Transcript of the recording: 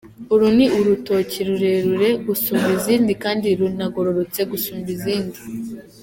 Uru ni urutoki rurerure gusumba izindi kandi runagororotse gusumba izindi.